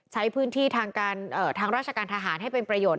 ใช้พื้นที่ทางราชการทหารให้เป็นประโยชน